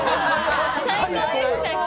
最高でした、今日。